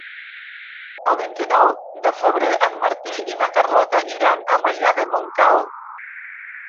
El vint-i-nou de febrer en Martí i na Carlota iran a Maià de Montcal.